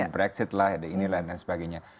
brexit lah dan sebagainya